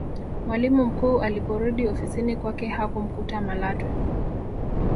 mwalimu mkuu aliporudi ofisini kwake hakumkuta malatwe